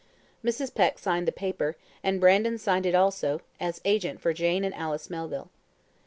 Mrs. Peck signed the paper, and Brandon signed it also, as agent for Jane and Alice Melville.